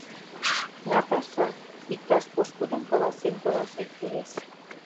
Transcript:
— Наташа, иктаж пошкудым каласен толашет кӱлеш...